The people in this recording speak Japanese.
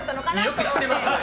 よく知ってますね。